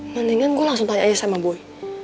mendingan gue langsung tanya aja sama boy